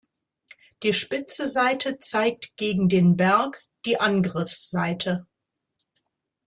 Die spitze Seite zeigt gegen den Berg, die Angriffsseite.